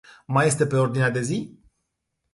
Mai este pe ordinea de zi?